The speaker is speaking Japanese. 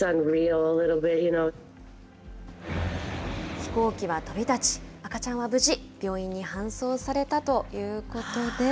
飛行機は飛び立ち、赤ちゃんは無事、病院に搬送されたということです。